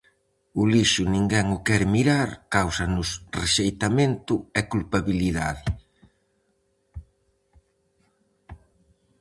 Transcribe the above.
O lixo ninguén o quere mirar, cáusanos rexeitamento e culpabilidade.